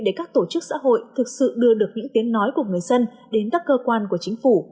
để các tổ chức xã hội thực sự đưa được những tiếng nói của người dân đến các cơ quan của chính phủ